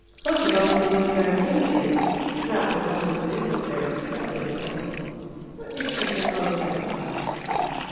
Poggibonsi would have done any day; not but what his business there was fairly important. What did she suppose that it was?